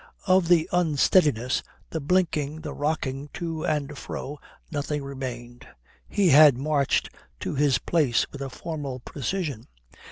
Of the unsteadiness, the blinking, the rocking to and fro, nothing remained. He had marched to his place with a formal precision.